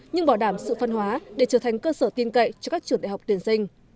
nhưng bỏ đảm sự phân hóa để trở thành cơ sở tiên cậy cho các trưởng đại học tuyển sinh